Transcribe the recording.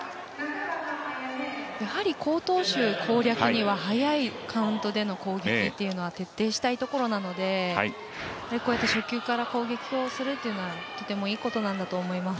やはり好投手攻略には早いカウントでの攻撃というのは、徹底したいところなのでこうやって初球から攻撃をするというのはとてもいいことなんだと思います。